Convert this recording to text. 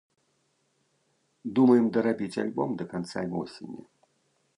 Думаем дарабіць альбом да канца восені.